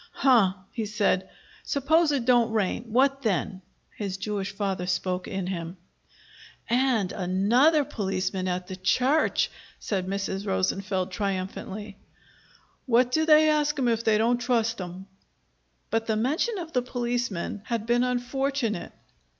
"Huh!" he said. "Suppose it don't rain. What then?" His Jewish father spoke in him. "And another policeman at the church!" said Mrs. Rosenfeld triumphantly. "Why do they ask 'em if they don't trust 'em?" But the mention of the policemen had been unfortunate.